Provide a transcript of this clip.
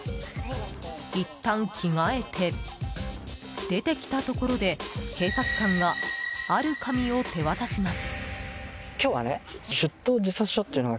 いったん着替えて出てきたところで警察官が、ある紙を手渡します。